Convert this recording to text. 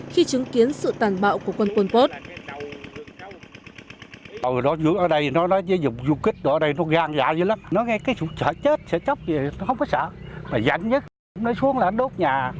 khi chứng kiến sự tàn bạo của quân quân tốt